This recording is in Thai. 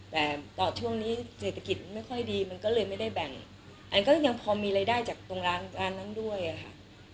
แต่ต่อช่วงนี้เศรษฐกิจไม่ค่อยดีมันก็เลยไม่ได้แบ่งอันก็ยังพอมีรายได้จากตรงร้านร้านนั้นด้วยค่ะ